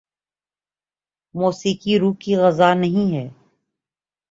موسیقی روح کی غذا نہیں ہے